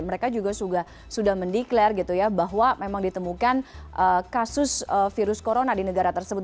mereka juga sudah mendeklarasi bahwa memang ditemukan kasus virus corona di negara tersebut